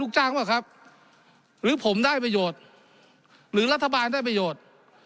จ้างเปล่าครับหรือผมได้ประโยชน์หรือรัฐบาลได้ประโยชน์